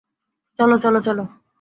চলো, চলো, চলো!